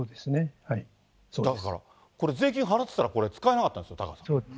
だから、これ、税金払ってたら、これ使えなかったですよ、タカさん。